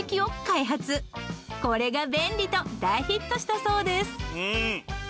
これが「便利！」と大ヒットしたそうです。